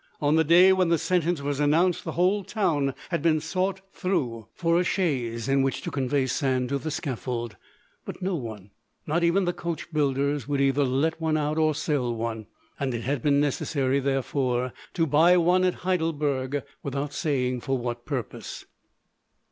On the day when the sentence was announced the whole town had been sought through for a chaise in which to convey Sand to the scaffold, but no one, not even the coach builders, would either let one out or sell one; and it had been necessary, therefore, to buy one at Heidelberg without saying for what purpose.